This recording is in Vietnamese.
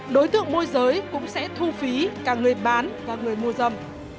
đối tượng môi giới cũng sẽ thu phí cả người bán và người mua dâm